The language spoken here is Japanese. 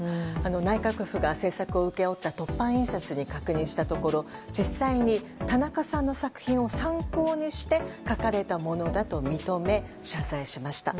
内閣府が制作を請け負った凸版印刷に確認したところ、実際にたなかさんの作品を参考にして描かれたものだと認め謝罪しました。